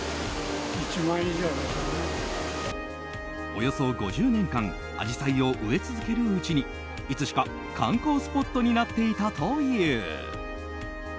およそ５０年間アジサイを植え続けるうちにいつしか観光スポットになっていたという。